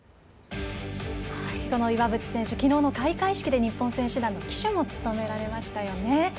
この岩渕選手きのうの開会式で日本選手団の旗手も務められましたよね。